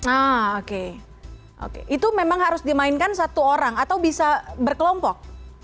nah oke oke itu memang harus dimainkan satu orang atau bisa berkelompok